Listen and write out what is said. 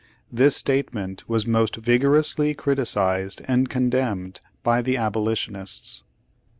This statement was most vigorously criticised and con demned by the abolitionists.